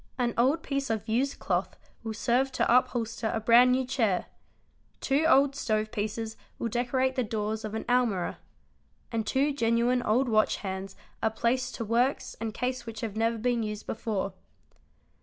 An old piece _ of used cloth will serve to upholster a brand new chair : two old stove pieces will decorate the doors of an almirah; and two genuine old watch _ hands are placed to works and case which have never been used before.